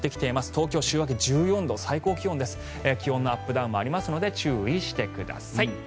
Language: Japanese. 東京、週明け１４度最高気温です、気温のアップダウンもありますので注意してください。